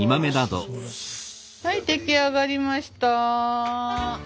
はい出来上がりました。